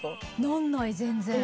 なんない全然。